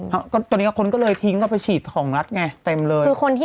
อ๋อเหรอตอนนี้ไปที่ไหนตอนนี้เพิ่งสองหมื่นเองค่ะ